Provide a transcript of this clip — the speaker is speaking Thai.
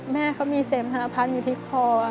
แม่เขามีเสมหาพันธ์อยู่ที่คอ